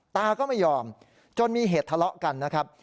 ตาก็ไม่ยอมจนมีเหตุทะเลาะกันนะครับ